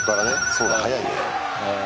そうだ早いね。